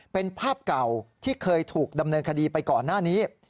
เป็นภาพเก่าที่เคยถูกดำเนินคดีไปก่อนหน้านี้